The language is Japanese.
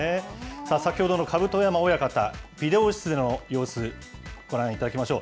さあ、先ほどの甲山親方、ビデオ室の様子、ご覧いただきましょう。